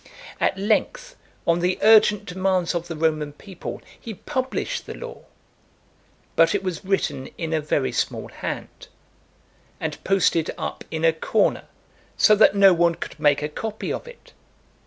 At length, on the urgent demands of the Roman people, he published the law, but it was written in a very small hand, and posted up in a corner, so that no one could make a copy of it.